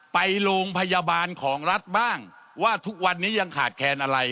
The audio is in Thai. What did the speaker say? ไปโรงพยาบาลของรัฐบ้างว่าทุกวันนี้ยังขาดแคลนอะไร